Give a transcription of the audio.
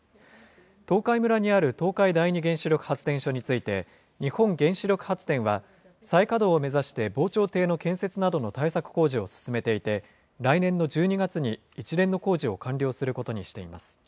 東海村にある東海第二原子力発電所について、日本原子力発電は、再稼働を目指して防潮堤の建設などの対策工事を進めていて、来年の１２月に一連の工事を完了することにしています。